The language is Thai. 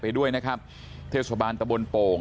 ไปด้วยนะครับเทศบาลตะบนโป่ง